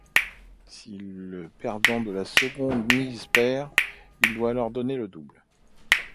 Si le perdant de la seconde mise perd, il doit alors donner le double.